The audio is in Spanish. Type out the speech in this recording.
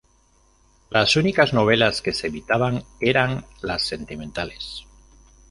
Las únicas novelas que se evitaban eran las sentimentales.